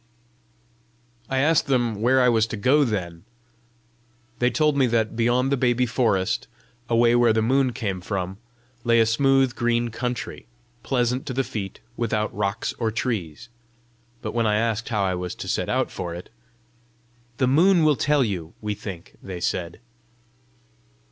I asked them where I was to go then. They told me that, beyond the baby forest, away where the moon came from, lay a smooth green country, pleasant to the feet, without rocks or trees. But when I asked how I was to set out for it. "The moon will tell you, we think," they said.